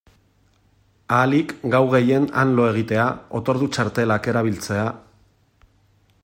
Ahalik gau gehien han lo egitea, otordu-txartelak erabiltzea...